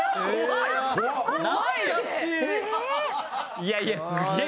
いやいやすげえ。